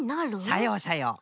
さようさよう。